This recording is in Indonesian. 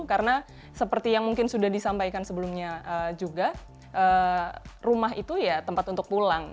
karena seperti yang mungkin sudah disampaikan sebelumnya juga rumah itu ya tempat untuk pulang